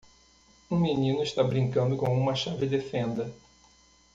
Um menino está brincando com uma chave de fenda.